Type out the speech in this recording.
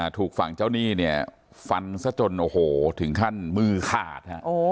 ถูกฝั่งเจ้าหนี้เนี่ยฟันซะจนโอ้โหถึงขั้นมือขาด